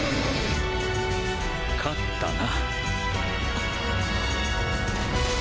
勝ったな。